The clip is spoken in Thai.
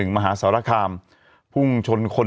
มหาสารคามพุ่งชนคน